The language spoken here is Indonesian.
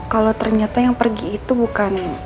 kalau ternyata yang pergi itu bukan